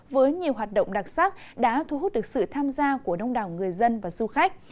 với nhiều hoạt động đặc sắc đã thu hút được sự tham gia của đông đảo người dân và du khách